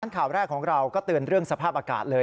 ข่าวแรกของเราก็เตือนเรื่องสภาพอากาศเลย